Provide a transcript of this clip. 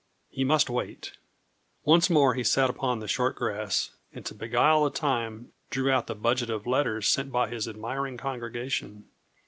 He must wait. Once more he sat upon the short grass, and to beguile the time, drew out the budget of letters sent by his admiring congregation.